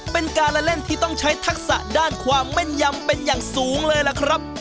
เป็นการละเล่นที่ต้องใช้ทักษะด้านความแม่นยำเป็นอย่างสูงเลยล่ะครับ